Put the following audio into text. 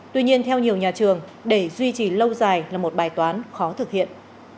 tuy nhiên theo nhiều nhà trường để duy trì lâu dài là một bài toán khó thực hiện